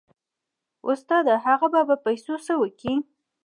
استاده هغه به په پيسو څه وکي.